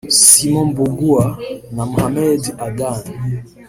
Simon Mbugua na Mohammed Adan